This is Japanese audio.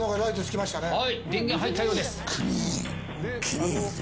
電源が入ったようです。